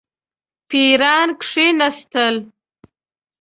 پیران کښېنستل.